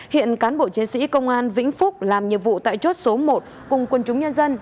hiện cán bộ chiến sĩ công an vĩnh phúc làm nhiệm vụ tại chốt số một cùng quân chúng nhân dân